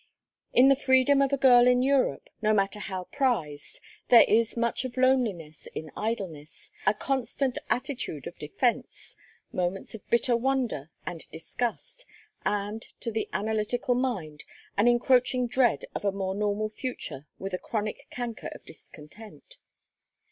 In the freedom of a girl in Europe, no matter how prized, there is much of loneliness in idleness, a constant attitude of defence, moments of bitter wonder and disgust, and, to the analytical mind, an encroaching dread of a more normal future with a chronic canker of discontent.